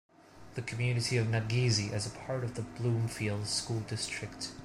The community of Nageezi is part of the Bloomfield School District.